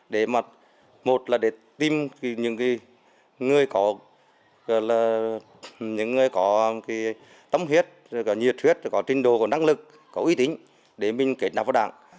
để mà một là để tìm những người có tấm huyết nhiệt huyết trình độ năng lực có uy tính để mình kết nạp vào đảng